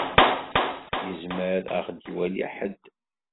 Izmer ad ɣ-d-iwali ḥedd.